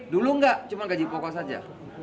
dulu enggak cuma gaji pokok saja